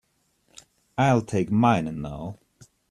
I'll take mine now.